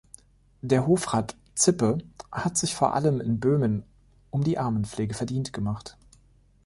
Der Hofrat Zippe hat sich vor allem in Böhmen um die Armenpflege verdient gemacht.